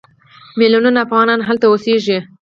میلیونونه افغانان هلته اوسېږي.